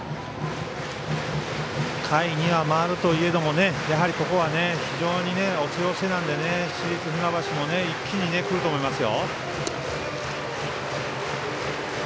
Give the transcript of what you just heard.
下位には回るといえども非常に押せ押せなんで市立船橋も一気にくると思います。